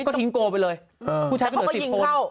ก็ทิ้งโกไปเลยผู้ชายก็เหลือ๑๐คน